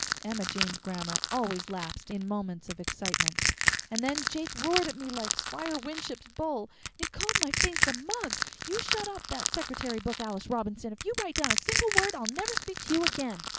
(Emma Jane's grammar always lapsed in moments of excitement.) And then Jake roared at me like Squire Winship's bull.... And he called my face a mug.... You shut up that secretary book, Alice Robinson! If you write down a single word I'll never speak to you again....